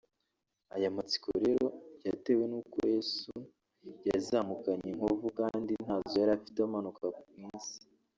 Aya matsiko rero yatewe n’uko Yesu yazamukanye inkovu kandi ntazo yari afite amanuka mu isi